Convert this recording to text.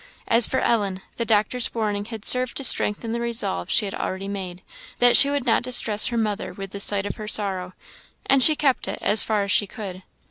As for Ellen, the doctor's warning had served to strengthen the resolve she had already made, that she would not distress her mother with the sight of her sorrow; and she kept it, as far as she could.